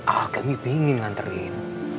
ah kami pengen nganterin